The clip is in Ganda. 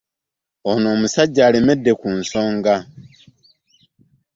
Oyo omusajja alemedde ku nsonga.